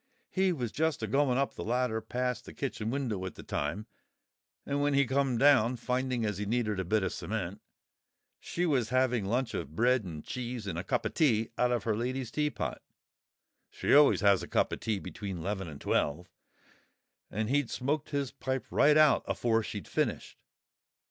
He was just a going up the ladder past the kitchen window at the time; and when he come down, finding as he needed a bit of cement, she was having lunch of bread and cheese and a cup o' tea out of her lady's teapot—she always has a cup of tea between 'leven and twelve—and he'd smoked his pipe right out afore she'd finished.